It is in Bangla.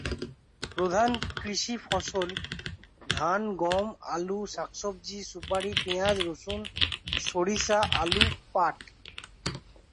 প্রধান কৃষি ফসল ধান, গম, আলু, শাকসবজি, সুপারি, পিঁয়াজ, রসুন, সরিষা, আলু, পাট।